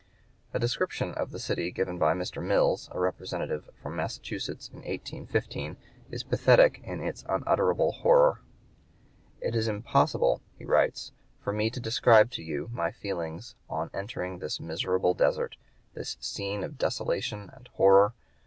A description of the city given by Mr. Mills, a Representative from Massachusetts, in 1815, is pathetic in its unutterable horror: "It is impossible [he writes] for me to describe to you my feelings on entering this miserable desert, this scene of desolation and horror....